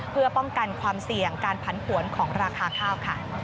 เพื่อป้องกันความเสี่ยงการผันผวนของราคาข้าวค่ะ